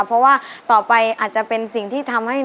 เพราะว่าต่อไปอาจจะเป็นสิ่งที่ทำให้